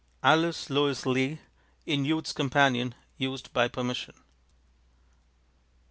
Alice Louise Lee, in Youth's Companion, used by permission.